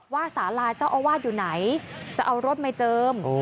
สาราเจ้าอาวาสอยู่ไหนจะเอารถมาเจิม